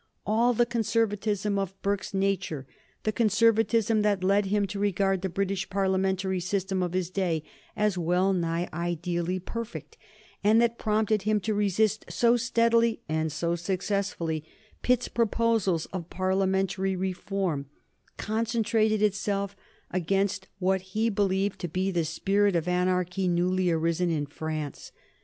All the conservatism of Burke's nature the conservatism that led him to regard the English Parliamentary system of his day as well nigh ideally perfect, and that prompted him to resist so steadily and so successfully Pitt's proposals of Parliamentary reform concentrated itself against what he believed to be the spirit of anarchy newly arisen in France.